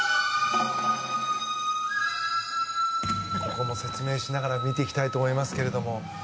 ここも説明しながら見ていきたいと思いますけど。